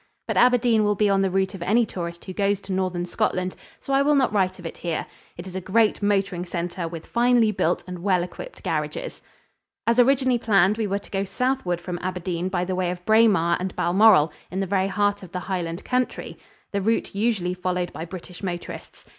But Aberdeen will be on the route of any tourist who goes to Northern Scotland, so I will not write of it here. It is a great motoring center, with finely built and well equipped garages. As originally planned we were to go southward from Aberdeen by the way of Braemar and Balmoral in the very heart of the Highland country the route usually followed by British motorists.